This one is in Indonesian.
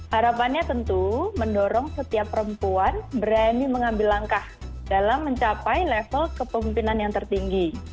harapannya tentu mendorong setiap perempuan berani mengambil langkah dalam mencapai level kepemimpinan yang tertinggi